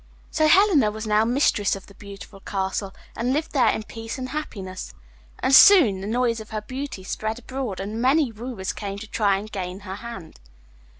So Helena was now mistress of the beautiful castle, and lived there in peace and happiness. And soon the noise of her beauty spread abroad, and many wooers came to try and gain her hand.